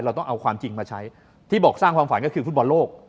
เราต้องเอาความจริงมาใช้ที่บอกสร้างความฝันก็คือฟุตบอลโลก